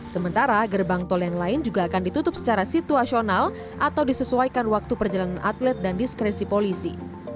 sementara gerbang tol yang lain juga akan ditutup secara situasional atau disesuaikan waktu perjalanan atlet dan diskresi polisi